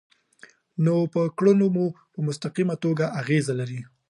نو پر کړنو مو په مستقیمه توګه اغیز لري.